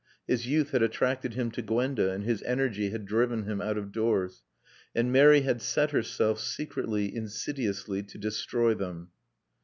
His youth had attracted him to Gwenda and his energy had driven him out of doors. And Mary had set herself, secretly, insidiously, to destroy them.